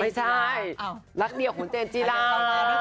ไม่ใช่รักเดียวคุณเจนจีรา